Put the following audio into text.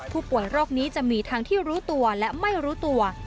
ผู้ป่วยโรคนี้จะมีทั้งที่รู้ตัวและไม่รู้ตัว